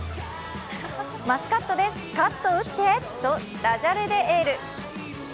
「マスカットでスカッと打ってー」とダジャレでエール。